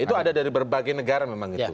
itu ada dari berbagai negara memang itu